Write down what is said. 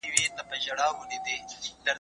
باور لرو.